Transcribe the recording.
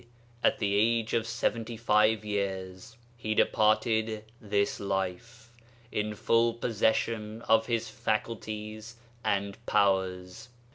at the age of seventy five years, he departed this life, in full possession of his faculties and powers.